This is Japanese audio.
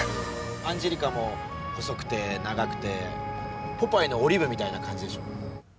アンジェリカも細くて長くてポパイのオリーブみたいな感じでしょ？